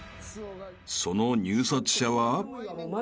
［その入札者は？］